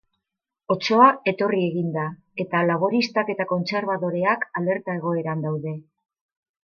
Otsoa etorri egin da, eta laboristak eta kontserbadoreak alerta egoeran daude.